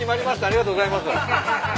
ありがとうございます。